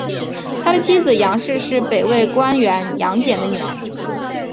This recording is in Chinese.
他的妻子杨氏是北魏官员杨俭的女儿。